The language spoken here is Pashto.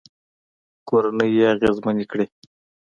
کورنۍ يې اغېزمنې کړې